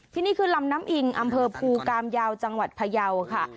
นี่คือลำน้ำอิงอำเภอภูกามยาวจังหวัดพยาวค่ะ